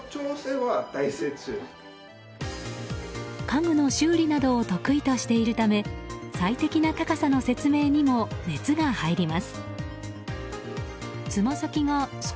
家具の修理などを得意としているため最適な高さの説明にも熱が入ります。